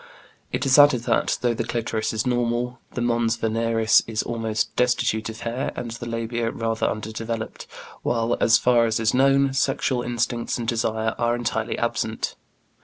It is added that, though the clitoris is normal, the mons veneris is almost destitute of hair, and the labia rather undeveloped, while, "as far as is known," sexual instincts and desire are entirely absent.